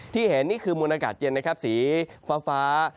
ที่เห็นนี่คือมวลอากาศเย็นสีฟ้า